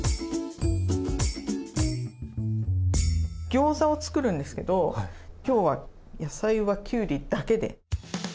ギョーザをつくるんですけどきょうは野菜はきゅうりだけで。